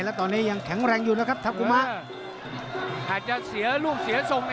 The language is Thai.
เสียงเฮยังแรงดูนะครับคุณผู้ชม